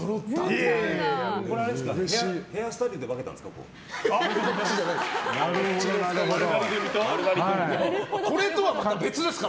これ、ヘアスタイルで分けたんですか？